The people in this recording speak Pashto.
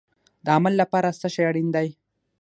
د عمل لپاره څه شی اړین دی؟